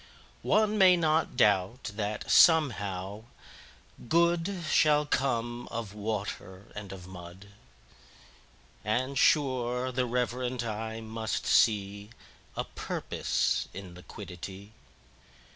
9One may not doubt that, somehow, Good10Shall come of Water and of Mud;11And, sure, the reverent eye must see12A Purpose in Liquidity.